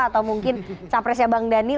atau mungkin capresnya bang daniel